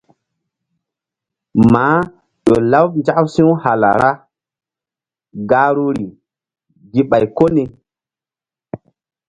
Maah ƴo laɓ nzak si̧w hala ra̧h gahruri gi ɓay ko ni.